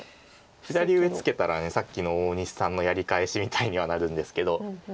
左上ツケたらさっきの大西さんのやり返しみたいにはなるんですけど。